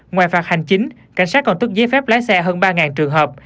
ngoài phạt hành chính cảnh sát còn tước giấy phép lái xe hơn ba trường hợp